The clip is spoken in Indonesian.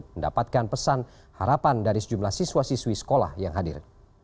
mendapatkan pesan harapan dari sejumlah siswa siswi sekolah yang hadir